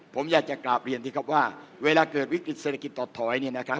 ผมอยากจะกราบเรียนที่ครับว่าเวลาเกิดวิกฤตเศรษฐกิจต่อถอย